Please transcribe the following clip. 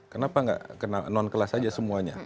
kenapa nggak non kelas saja semuanya